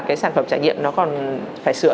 cái sản phẩm trải nghiệm nó còn phải sửa